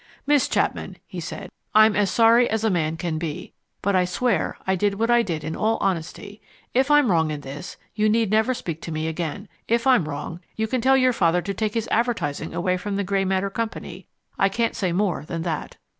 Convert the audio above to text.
"Miss Chapman," he said, "I'm as sorry as a man can be. But I swear I did what I did in all honesty. If I'm wrong in this, you need never speak to me again. If I'm wrong, you you can tell your father to take his advertising away from the Grey Matter Company. I can't say more than that."